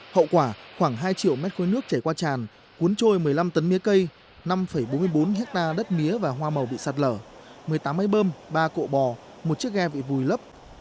hậu quả khoảng hai triệu mét khối nước chảy qua tràn cuốn trôi một mươi năm tấn mía cây năm bốn mươi bốn hectare đất mía và hoa màu bị sạt lở một mươi tám máy bơm ba cộ bò một chiếc ghe bị vùi lấp